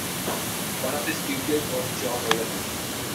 One of his pupils was John Owen.